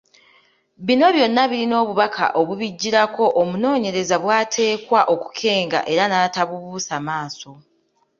Bino byonna birina obubaka obubiggirako omunoonyereza bw’ateekwa okukenga era n’atabubuusa maaso.